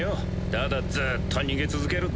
ただずっと逃げ続けるだけだ。